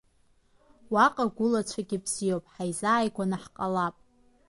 Уаҟа агәылацәагьы бзиоуп, ҳаизааигәаны ҳҟалап.